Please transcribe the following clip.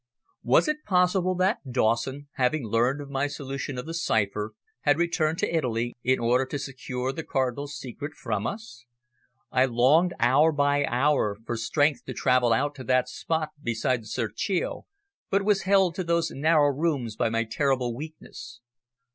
Was it possible that Dawson, having learned of my solution of the cipher, had returned to Italy in order to secure the Cardinal's secret from us? I longed hour by hour for strength to travel out to that spot beside the Serchio, but was held to those narrow rooms by my terrible weakness.